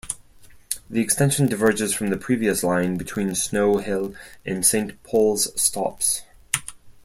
The extension diverges from the previous line between Snow Hill and Saint Paul's stops.